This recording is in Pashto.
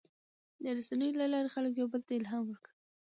د رسنیو له لارې خلک یو بل ته الهام ورکوي.